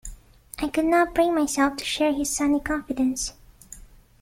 I could not bring myself to share his sunny confidence.